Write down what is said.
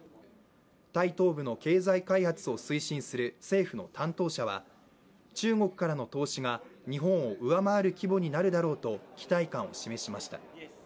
タイ東部の経済開発を推進する政府の担当者は中国からの投資が日本を上回る規模になるだろうと期待感を示しました。